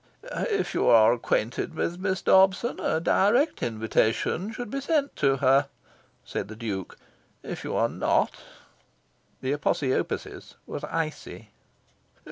"If you are acquainted with Miss Dobson, a direct invitation should be sent to her," said the Duke. "If you are not " The aposiopesis was icy.